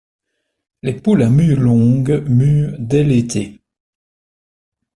Les poules à mue longue muent dès l'été.